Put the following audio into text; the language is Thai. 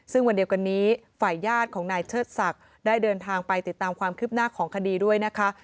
ซึ่งวันเดียวกันนี้ฝ่ายญาติของนายเชิดศักดิ์ได้เดินทางไปติดตามความคืบหน้าของคดีด้วยนะคะ